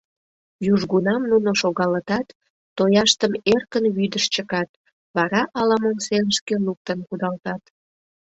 Южгунам нуно шогалытат, тояштым эркын вӱдыш чыкат, вара ала-мом серышке луктын кудалтат.